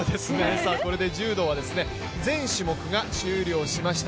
これで柔道は全種目が終了しました。